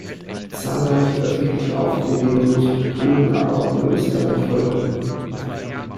Zahlreiche öffentliche Aufträge in Großbritannien, aber auch in Österreich, folgten.